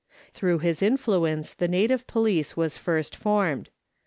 Through his influence the native police was first formed.